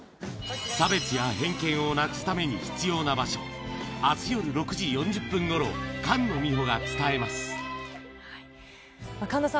差別や偏見をなくすために必要な場所、あす夜６時４０分ごろ、菅野さん